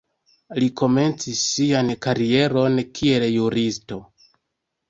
Li komencis sian karieron kiel juristo.